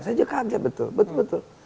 saya aja kaget betul